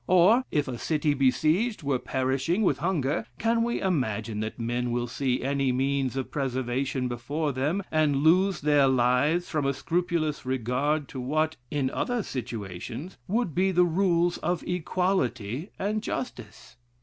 Or if a city besieged were perishing with hunger; can we imagine that men will see any means of preservation before them, and lose their lives from a scrupulous regard to what, in other situations, would be the rules of equity and justice?